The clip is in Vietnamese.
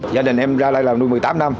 gia đình em ra đây làm nuôi một mươi tám năm